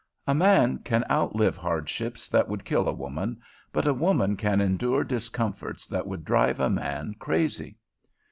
A man can outlive hardships that would kill a woman, but a woman can endure discomforts that would drive a man crazy.